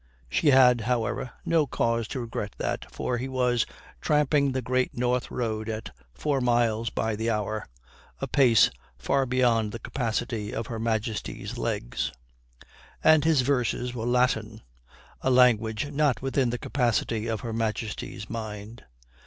She had, however, no cause to regret that, for he was tramping the Great North Road at four miles by the hour a pace far beyond the capacity of Her Majesty's legs; and his verses were Latin a language not within the capacity of Her Majesty's mind.